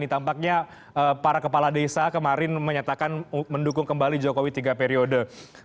tampaknya para kepala desa kemarin menyatakan mendukung kembali jokowi tiga periode